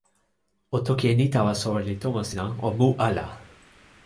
o toki e ni tawa soweli tomo sina: o mu ala.